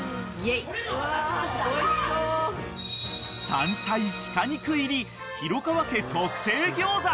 ［山菜・鹿肉入り廣川家特製餃子